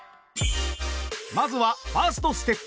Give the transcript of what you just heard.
まずはファーストステップ。